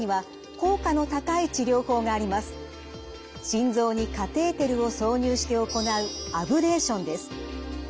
心臓にカテーテルを挿入して行うアブレーションです。